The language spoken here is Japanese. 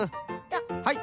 はい。